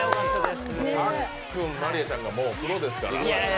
さっくん、真莉愛ちゃんがもうプロですから。